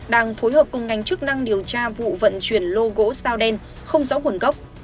đang phối hợp cùng ngành chức năng điều tra vụ vận chuyển lô gỗ sao đen không rõ nguồn gốc